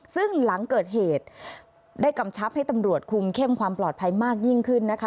ซึ่งหลังเกิดเหตุได้กำชับให้ตำรวจคุมเข้มความปลอดภัยมากยิ่งขึ้นนะคะ